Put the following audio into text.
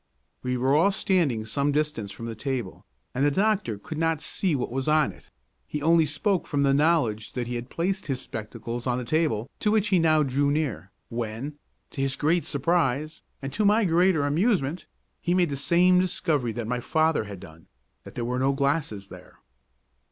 We were all standing some distance from the table, and the doctor could not see what was on it; he only spoke from the knowledge that he had placed his spectacles on the table, to which he now drew near, when, to his great surprise, and to my greater amusement, he made the same discovery that my father had done, that there were no glasses there.